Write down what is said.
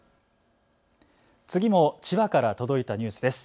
次も千葉から届いたニュースです。